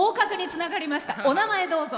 お名前、どうぞ。